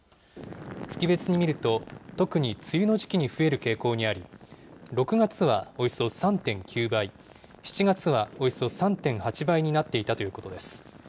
月別に見ると、特に梅雨の時期に増える傾向にあり、６月はおよそ３．９倍、７月はおよそ３．８倍になっていたということです。